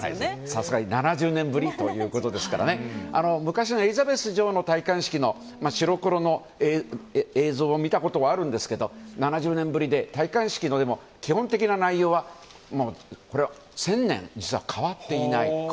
さすがに７０年ぶりということですから昔のエリザベス女王の戴冠式の白黒の映像を見たことはあるんですけど、７０年ぶりで戴冠式の、基本的な内容はこれは１０００年実は変わっていない。